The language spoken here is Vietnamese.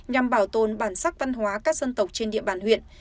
nhằm bảo tồn bản sắc văn hóa các dân tộc trên địa bàn huyện